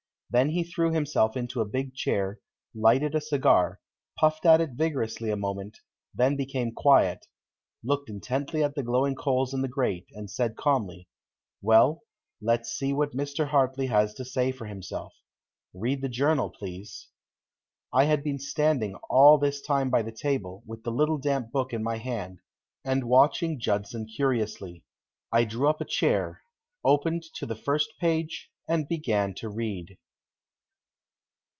Then he threw himself into a big chair, lighted a cigar, puffed at it vigorously a moment, then became quiet, looked intently at the glowing coals in the grate, and said calmly: "Well, let's see what Mr. Hartley has to say for himself. Read the journal, please." I had been standing all this time by the table, with the little damp book in my hand, and watching Judson curiously. I drew up a chair, opened to the first page and began to read.